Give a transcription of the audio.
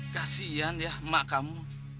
kasian ya emak kamu